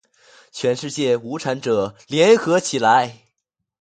全世界无产者，联合起来！